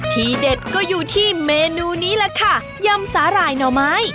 ที่เด็ดก็อยู่ที่เมนูนี้แหละค่ะยำสาหร่ายหน่อไม้